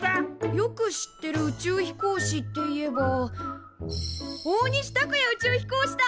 よく知ってる宇宙飛行士っていえば大西卓哉宇宙飛行士だ！